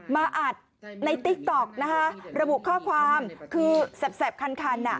มาอัดในติ๊กต๊อกนะคะระบุข้อความคือแสบคันคันอ่ะ